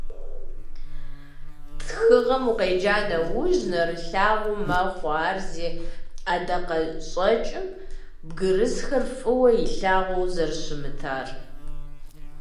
Тхыгъэм укъеджа нэужь, нэрылъагъу мэхъу ар зи ӀэдакъэщӀэкӀым бгырысхэр фӀыуэ илъагъуу зэрыщымытар.